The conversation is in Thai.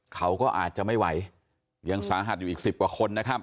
เขาก็อาจจะไม่ไหวยังสาหัสอยู่อีก๑๐กว่าคนนะครับ